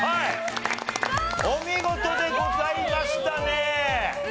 お見事でございましたね。